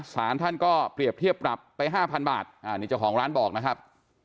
สารท่านก็เปรียบเทียบปรับไป๕๐๐บาทนี่เจ้าของร้านบอกนะครับ